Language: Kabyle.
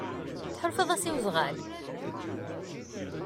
Tḥulfaḍ-as i wezɣal?